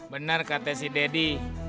benar kata si deddy